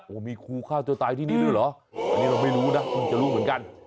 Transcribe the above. โอ้โหมีครูฆ่าตัวตายที่นี่ด้วยเหรออันนี้เราไม่รู้นะเพิ่งจะรู้เหมือนกัน